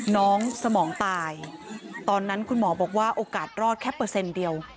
น้องสมองตายตอนนั้นคุณหมอบอกว่าโอกาสรอดแค่เปอร์เซ็นต์เดียว